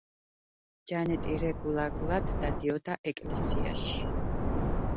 ჯანეტი რეგულარულად დადიოდა ეკლესიაში.